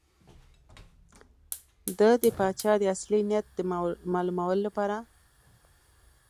ده د پاچا د اصلي نیت د معلومولو لپاره.